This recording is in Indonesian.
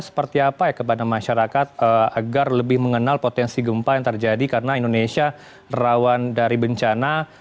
seperti apa ya kepada masyarakat agar lebih mengenal potensi gempa yang terjadi karena indonesia rawan dari bencana